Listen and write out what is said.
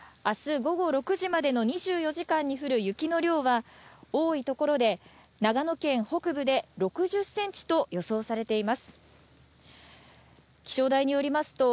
あす午後６時までの２４時間に降る雪の量は、多い所で、長野県北部で６０センチと予想されています。